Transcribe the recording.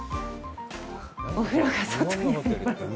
お風呂が外にある。